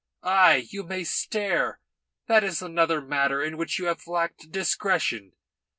Ay, you may stare. That is another matter in which you have lacked discretion.